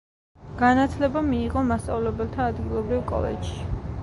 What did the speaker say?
განათლება მიიღო მასწავლებელთა ადგილობრივ კოლეჯში.